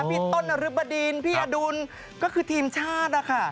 พี่ต้นนรึบดินพี่อดุลก็คือทีมชาตินะคะ